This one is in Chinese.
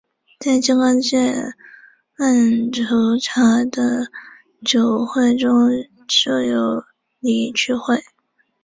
在金刚界曼荼罗的九会中设有理趣会。